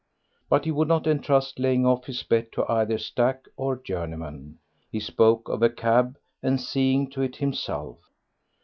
But he would not entrust laying off his bet to either Stack of Journeyman; he spoke of a cab and seeing to it himself.